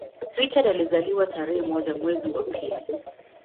Richard alizaliwa tarehe moja mwezi wa pili